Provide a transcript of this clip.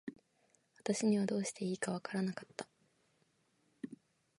私にはどうしていいか分らなかった。